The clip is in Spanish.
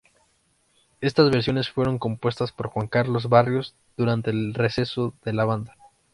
Estas versiones fueron compuestas por Juan Carlos Barrios, durante el receso de la banda.